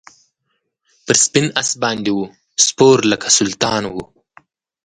پر سپین آس باندي وو سپور لکه سلطان وو